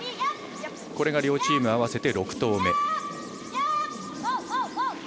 これが両チーム合わせて６投目。